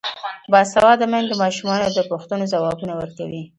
باسواده میندې د ماشومانو د پوښتنو ځوابونه ورکوي.